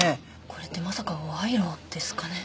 これってまさか賄賂ですかね。